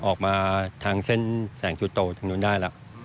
ออกมาทางเส้นแสงชุโต่ทางนั้นได้